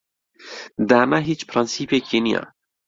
دانا هیچ پرەنسیپێکی نییە.